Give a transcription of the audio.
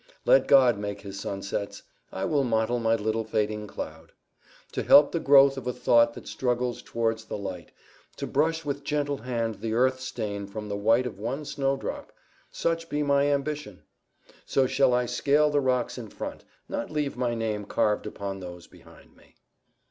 Let God make His sunsets: I will mottle my little fading cloud. To help the growth of a thought that struggles towards the light; to brush with gentle hand the earth stain from the white of one snowdrop—such be my ambition! So shall I scale the rocks in front, not leave my name carved upon those behind me."